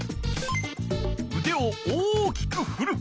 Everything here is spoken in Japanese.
うでを大きくふる。